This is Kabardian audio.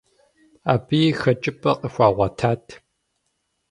Абыи хэкӏыпӏэ къыхуагъуэтат.